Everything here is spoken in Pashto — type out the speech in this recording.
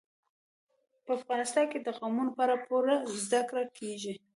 په افغانستان کې د قومونه په اړه پوره زده کړه کېږي.